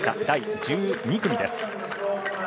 第１２組です。